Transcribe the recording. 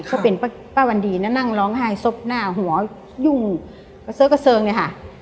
ก็เป็นป้าวันดีนะนั่งร้องไห้ซบหน้าหัวยุ่งกระเซิกระเซิงเลยค่ะ